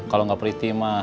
kalau gak pretty mah